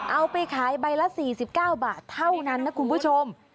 เอาไปขายใบละ๔๙บาทเท่านั้นนะคุณผู้ชม